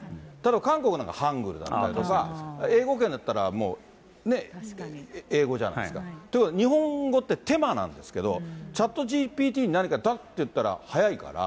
ただ、韓国なんかはハングルだったりだとか、英語圏だったらもうね、英語じゃないですか。ということで、日本語って手間なんですけど、ＣｈａｔＧＰＴにだっと言ったら早いから。